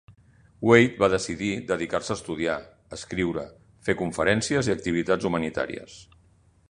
Waite va decidir dedicar-se a estudiar, escriure, fer conferències i activitats humanitàries.